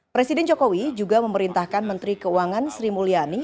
presiden jokowi juga memerintahkan menteri keuangan sri mulyani